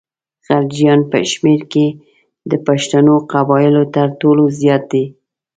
غلجیان په شمېر کې د پښتنو قبایلو تر ټولو زیات دي.